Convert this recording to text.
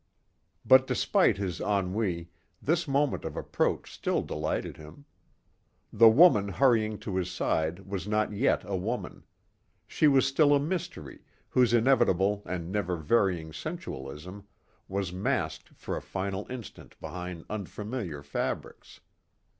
But despite his ennui, this moment of approach still delighted him. The woman hurrying to his side was not yet a woman. She was still a mystery whose inevitable and never varying sensualism was masked for a final instant behind unfamiliar fabrics.